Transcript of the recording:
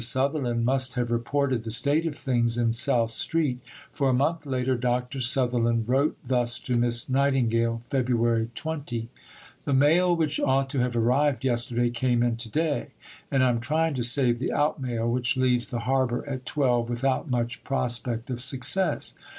Sutherland must have reported the state of things in South Street; for a month later Dr. Sutherland wrote thus to Miss Nightingale (Feb. 20): "The mail which ought to have arrived yesterday came in to day, and I am trying to save the out mail, which leaves the harbour at 12, without much prospect of success.